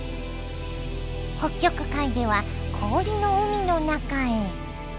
北極海では氷の海の中へ。